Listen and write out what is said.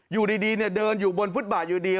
อยู่ดีเดินอยู่บนฟุตบาทอยู่ดี